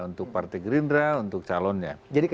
untuk partai gerindra untuk calonnya